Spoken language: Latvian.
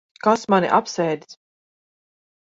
Kas mani apsēdis?